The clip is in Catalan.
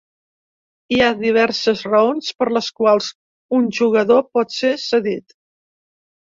Hi ha diverses raons per les quals un jugador pot ser cedit.